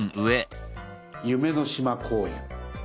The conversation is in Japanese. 夢の島公園。